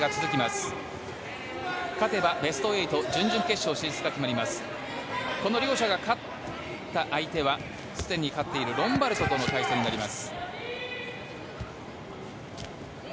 この両者の勝った相手はすでに勝っているロンバルドとの対戦になります。